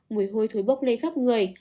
mùi hôi thối bốc lên khắp người